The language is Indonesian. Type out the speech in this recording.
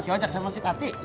si ojak sama si tati